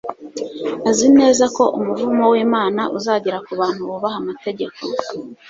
Azi neza ko umuvumo wImana uzagera ku bantu bubaha amategeko